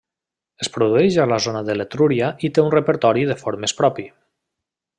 Es produeix a la zona de l'Etrúria i té un repertori de formes propi.